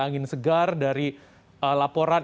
angin segar dari laporan